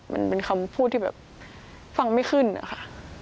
มันเป็นคำพูดที่แบบฟังไม่ขึ้นนะคะ